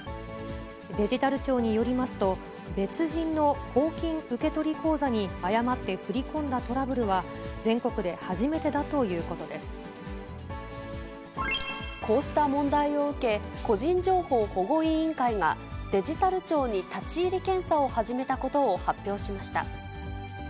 デジタル庁によりますと、別人の公金受取口座に誤って振り込んだトラブルは、全国で初めてこうした問題を受け、個人情報保護委員会が、デジタル庁に立ち入り検査を始めたことを発表しました。